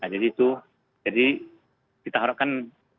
jadi itu jadi kita harapkan